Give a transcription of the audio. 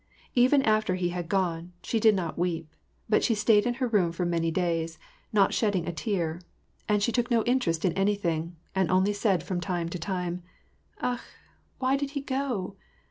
Even after he had gone, she did not weep ; but she staid in her room for many days, not shedding a tear ; and she took no interest in anything, and only said from time to time, —" Akh I Why did he go